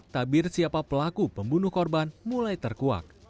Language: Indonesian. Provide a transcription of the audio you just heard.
tabir siapa pelaku pembunuh korban mulai terkuak